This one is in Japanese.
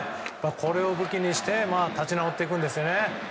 これを武器にして立ち直っていくんですね。